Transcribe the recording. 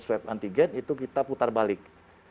swab antigen itu kita putar balik